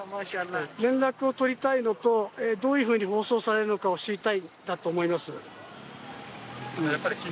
連絡を取りたいのと、どういうふうに放送されるのかを知りたいんだと思います。